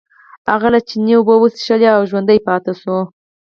هغه له چینې اوبه وڅښلې او ژوندی پاتې شو.